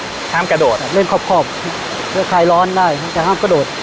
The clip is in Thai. ห้ามกระโดดอ่ะเล่นครอบเพื่อคลายร้อนได้จะห้ามกระโดด